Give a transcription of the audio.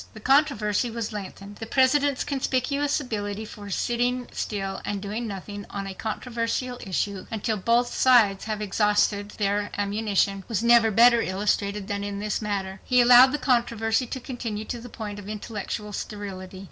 The controversy was lengthened. The President's conspicuous ability for sitting still and doing nothing on a controversial issue until both sides have exhausted their ammunition was never better illustrated than in this matter. He allowed the controversy to continue to the point of intellectual sterility.